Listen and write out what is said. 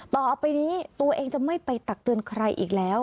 ต่อไปนี้ตัวเองจะไม่ไปตักเตือนใครอีกแล้ว